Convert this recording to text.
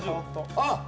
あっ！